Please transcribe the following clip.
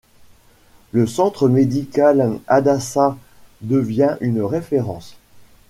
Le centre médical Hadassah devient une référence.